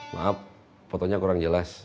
maaf fotonya kurang jelas